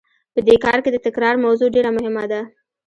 په دې کار کې د تکرار موضوع ډېره مهمه ده.